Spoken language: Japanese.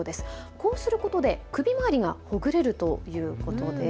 こうすることで首回りがほぐれるということです。